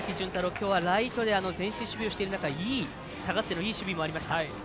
今日はライトで前進守備をしている中下がってのいい守備もありました。